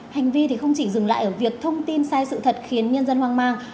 hành vi không chỉ dừng lại ở việc thông tin sai sự thật khiến nhân dân hoang mang